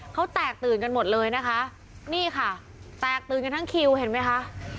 เขาแตกตื่นกันหมดเลยนะคะนี่ค่ะแตกตื่นกันทั้งคิวเห็นไหมคะ